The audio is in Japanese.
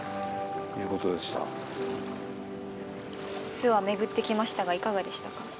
諏訪巡ってきましたがいかがでしたか？